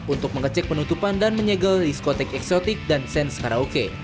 untuk mengecek penutupan dan menyegel diskotik eksotik dan sens karaoke